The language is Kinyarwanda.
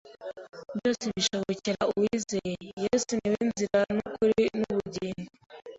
Byose bishobokera uwizeye, Yesu ni we nzira n’ukuri n’ubugingo.